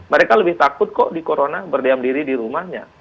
mereka lebih takut kok di corona berdiam diri di rumahnya